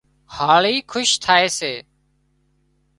هاۯي کُش ٿائي سي